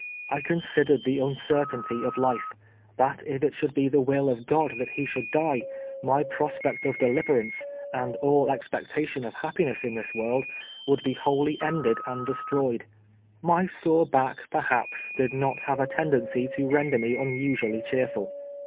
I considered the uncertainty of life ; that if it should be the will of God that he should die, my prospect of deliverance, and all expectation of haj^piness in this world, would be wholly ended and destroyed. My sore back, perhaps, did not have a tendency to render me unusually cheer ful.